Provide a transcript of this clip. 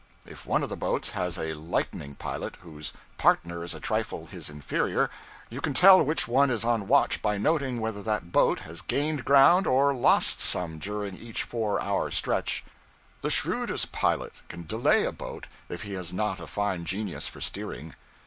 If one of the boats has a 'lightning' pilot, whose 'partner' is a trifle his inferior, you can tell which one is on watch by noting whether that boat has gained ground or lost some during each four hour stretch. The shrewdest pilot can delay a boat if he has not a fine genius for steering.